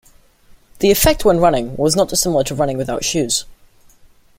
The effect when running was not dissimilar to running without shoes.